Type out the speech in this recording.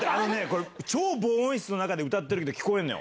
超防音室の中で歌ってるけど、聞こえるのよ。